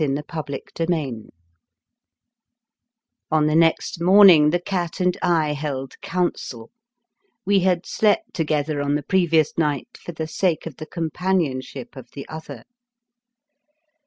*3 Chapter 1 1 ON the next morning the cat and I held council — we had slept to gether on the previous night for the sake of the companionship of the other.